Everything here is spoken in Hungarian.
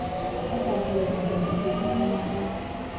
Letelepedett az Egyesült Államokban.